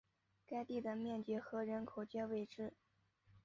该地的面积和人口皆未知。